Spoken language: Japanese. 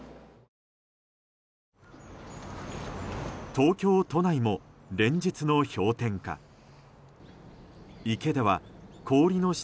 東京都内も連日の氷点下。